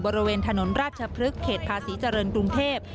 บริเวณถนนราชพฤกษเขตภาษีเจริญกรุงเทพ